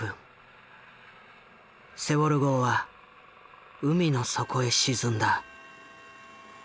セウォル号は海の底へ沈んだ。